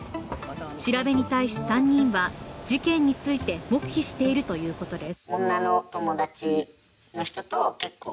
調べに対し３人は事件について黙秘しているということです。